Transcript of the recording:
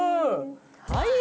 はい！